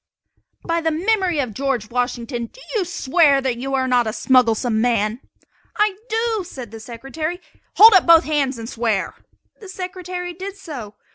"By the memory of George Washington you swear that you are not a smugglesome man?" "I do," said the Secretary. "Hold up both hands and swear!" The Secretary did so.